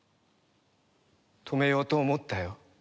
止めようと思ったよ。